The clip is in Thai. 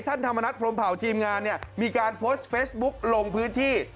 ธรรมนัฐพรมเผาทีมงานเนี่ยมีการโพสต์เฟซบุ๊กลงพื้นที่